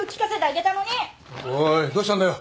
おいどうしたんだよ。